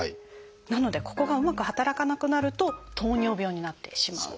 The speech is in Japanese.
なのでここがうまく働かなくなると糖尿病になってしまう。